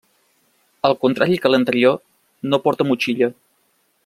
Al contrari que l'anterior no porta motxilla.